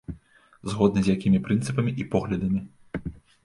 Згодна з якімі прынцыпамі і поглядамі?